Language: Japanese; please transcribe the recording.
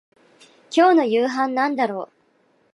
今日の夕飯なんだろう